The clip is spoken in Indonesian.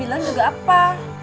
bila juga apa